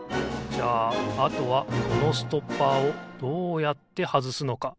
じゃああとはこのストッパーをどうやってはずすのか？